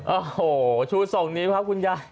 โอ้โหชู๒นิ้วครับคุณยาย